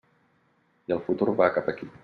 I el futur va cap aquí.